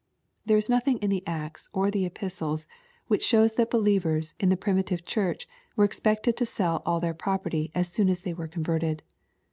There is nothing in the Acts or the Epistles, which shows that believers, in the primitive church were expected to sell all their property, as soon as they were converted.